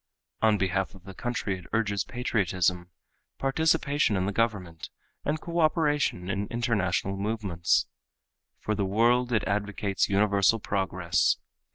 On behalf of the country it urges patriotism, participation in the government, and cooperation in international movements. For the world it advocates universal progress.